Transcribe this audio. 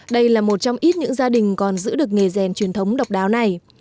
đây là một trong ít những gia đình còn giữ được nghề rèn truyền thống độc đáo này